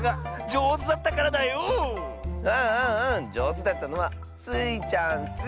じょうずだったのはスイちゃんッス。